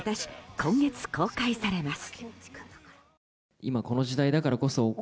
今月公開されます。